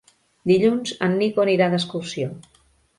Dilluns en Nico anirà d'excursió.